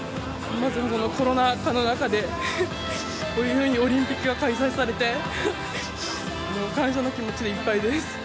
まずはこのコロナ禍の中で、こういうふうにオリンピックが開催されて、感謝の気持ちでいっぱいです。